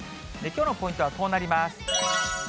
きょうのポイントはこうなります。